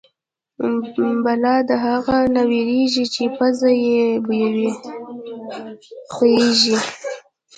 بلا د اغه نه وېرېږي چې پزه يې بيېږي.